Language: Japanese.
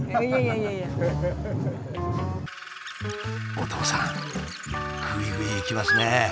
お父さんぐいぐいいきますね。